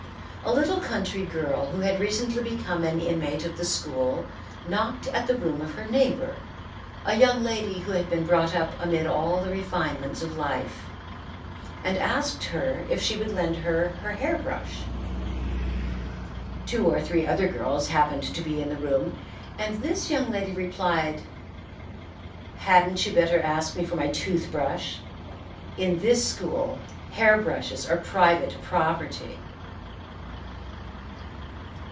A little country girl who had recently become an inmate of the school knocked at the room of her neighbor, a young lady who had been brought up amid all the refinements of life, and asked her if she would lend her her hair brush. Two or three other girls happened to be in the room, and this young lady replied, "Hadn't you better ask me for my tooth brush? In this school, hair brushes are private property."